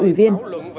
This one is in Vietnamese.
ba ủy viên